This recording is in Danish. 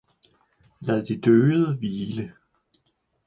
Lad de døde hvile!